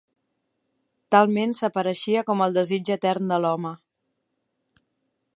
Talment s'apareixia com el desig etern de l'home